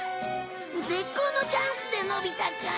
絶好のチャンスでのび太か。